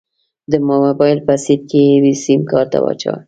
د موبايل په سيټ کې يې سيمکارت واچوه.